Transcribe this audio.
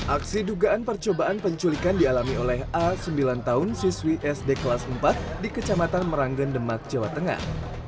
aksi dugaan percobaan penculikan dialami oleh a sembilan tahun siswi sd kelas empat di kecamatan meranggen demak jawa tengah